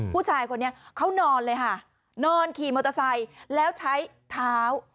ผู้ชายคนนี้เขานอนเลยค่ะนอนขี่มอเตอร์ไซค์แล้วใช้เท้า